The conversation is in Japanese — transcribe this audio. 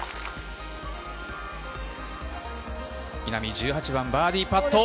稲見、１８番バーディーパット。